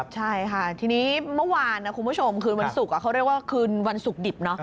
ใช่ค่ะทีนี้เมื่อวานวันศุกร์เขาเรียกว่าคืนวันศุกร์ดิบ